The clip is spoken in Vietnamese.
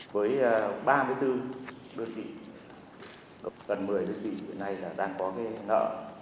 với ba mươi bốn đơn vị gần một mươi đơn vị này đang có nợ